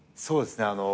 そうですね。